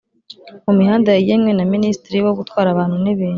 mumihanda yagenwe na ministre wo gutwara abantu n’ibintu